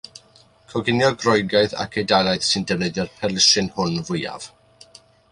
Coginio Groegaidd ac Eidalaidd sy'n defnyddio'r perlysieuyn hwn fwyaf.